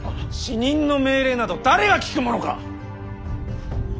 死人の命令など誰が聞くものか！